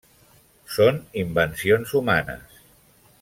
Són invencions humanes.